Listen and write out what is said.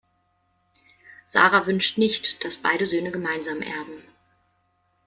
Sara wünscht nicht, dass beide Söhne gemeinsam erben.